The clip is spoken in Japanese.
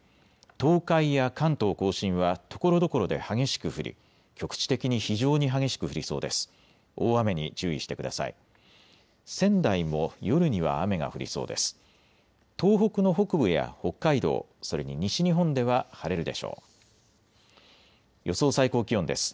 東海や関東甲信はところどころで激しく降り、局地的に非常に激しく降りそうです。